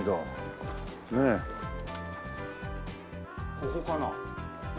ここかな？